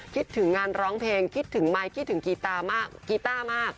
คิดถึงงานร้องเพลงคิดถึงไมค์คิดถึงกีตามากกีต้ามาก